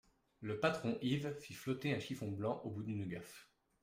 Le patron Yves fit flotter un chiffon blanc au bout d'une gaffe.